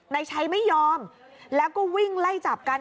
นายชัยไม่ยอมแล้วก็วิ่งไล่จับกัน